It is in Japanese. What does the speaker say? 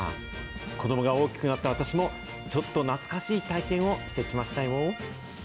子どもが大きくなった私も、ちょっと懐かしい体験をしてきましたよ。